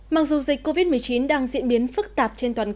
mặc dù dịch covid một mươi chín đang diễn biến phức tạp